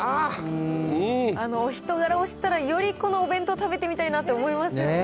お人柄を知ったら、よりこのお弁当食べてみたいなって思いますよね。